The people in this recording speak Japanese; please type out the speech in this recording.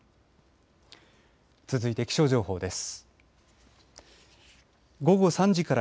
続いて気象情報です。